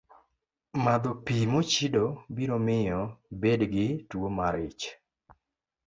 Madho pi mochido biro miyo ibed gi tuwo mar ich